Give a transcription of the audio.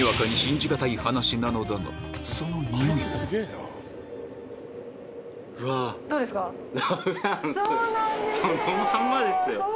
そのまんまですよ。